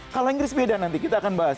kalau inggris beda nanti kita akan bahas